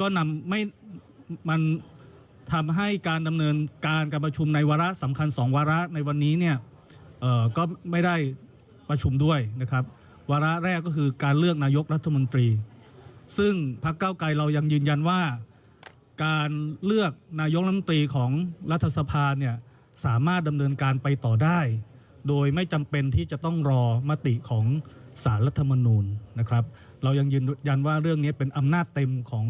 ก็นำไม่มันทำให้การดำเนินการการประชุมในวาระสำคัญสองวาระในวันนี้เนี่ยก็ไม่ได้ประชุมด้วยนะครับวาระแรกก็คือการเลือกนายกรัฐมนตรีซึ่งพักเก้าไกรเรายังยืนยันว่าการเลือกนายกลำตีของรัฐสภาเนี่ยสามารถดำเนินการไปต่อได้โดยไม่จำเป็นที่จะต้องรอมติของสารรัฐมนูลนะครับเรายังยืนยันว่าเรื่องนี้เป็นอำนาจเต็มของ